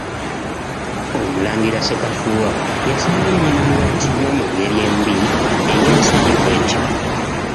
Omulangira Ssekafuuwa yasanga nnyina ng'attiddwa mu ngeri embi ey'ensonyi bw'etyo.